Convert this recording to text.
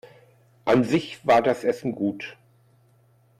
An sich war das Essen gut.